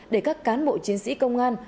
để các cán bộ chiến sĩ công an